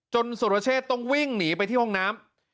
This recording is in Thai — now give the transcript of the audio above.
สุรเชษต้องวิ่งหนีไปที่ห้องน้ำ